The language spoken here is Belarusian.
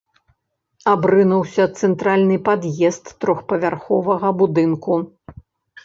Абрынуўся цэнтральны пад'езд трохпавярховага будынку.